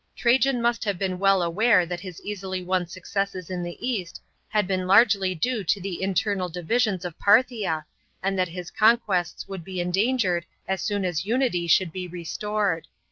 Trajan gives a king to the Parthians. § 18. Trajan must have been well aware that his easily won successes in the east had been largely due to the internal divisions of Parthia, and that his conquests would be endangered as soon as unity should be restored.